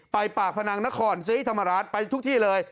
ปากพนังนครศรีธรรมราชไปทุกที่เลย